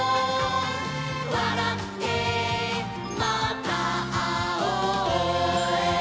「わらってまたあおう」